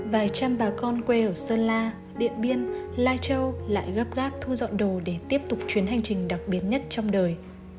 vài trăm bà con quê ở sơn la điện biên lai châu lại gấp gác thu dọn đồ để tiếp tục chuyến hành trình đặc biệt nhất trong đời